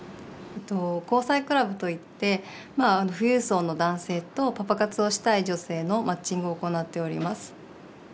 交際クラブといって富裕層の男性とパパ活をしたい女性のマッチングを行っております。